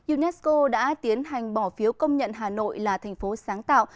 unesco đã tiến hành bỏ phiếu công nhận hà nội là thành phố sáng tạo